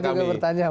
makanya juga bertanya